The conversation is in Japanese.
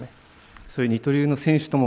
そういう二刀流の選手とも